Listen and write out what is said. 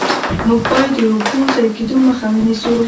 موږ باید د اوبو ضایع کیدو مخه ونیسو.